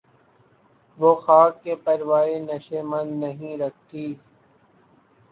وہ خاک کہ پروائے نشیمن نہیں رکھتی